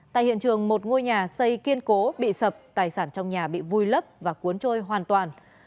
tại hiện trường một ngôi nhà xây kiên cố bị sập tài sản trong nhà bị vùi lấp và cuốn trôi hoàn toàn